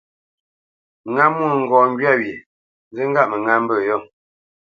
Ŋá mwôŋgɔʼ ŋgywâ wye, nzí ŋgâʼ mə ŋá mbə̂ yô.